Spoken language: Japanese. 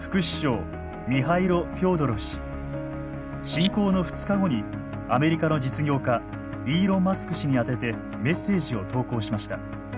侵攻の２日後にアメリカの実業家イーロン・マスク氏に宛ててメッセージを投稿しました。